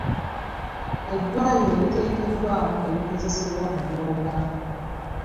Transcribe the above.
Eddwaliro liteekeddwamu ebikozesebwa mu byobulamu.